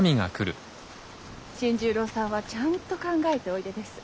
新十郎さんはちゃんと考えておいでです。